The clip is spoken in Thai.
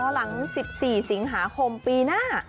หลัง๑๔สิงหาคมปีหน้า